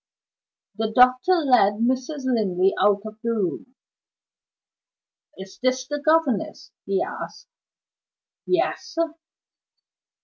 The doctor led Mrs. Linley out of the room. "Is this the governess?" he asked. "Yes!"